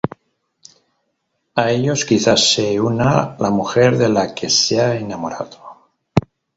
A ellos quizá se una la mujer de la que se ha enamorado.